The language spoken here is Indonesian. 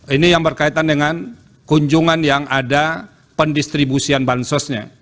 ini yang berkaitan dengan kunjungan yang ada pendistribusian bansosnya